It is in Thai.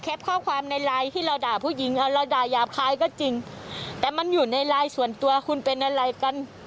เอาละด่ายหยาบคล้ายก็จริงแต่มันอยู่ในลายส่วนตัวคุณเป็นอะไรกัน